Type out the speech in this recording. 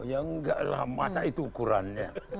ya enggak lah masa itu ukurannya